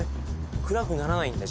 暗くならないんだ